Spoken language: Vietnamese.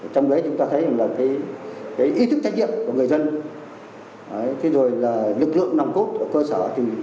trong đấy chúng ta thấy là ý thức trách nhiệm của người dân lực lượng nằm cốt ở cơ sở